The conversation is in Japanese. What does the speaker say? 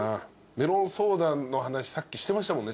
メロンソーダの話さっきしてましたもんね。